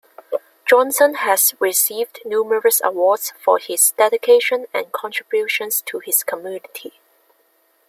Johnson has received numerous awards for his dedication and contributions to his community.